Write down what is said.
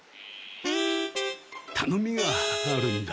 たのみがあるんだ。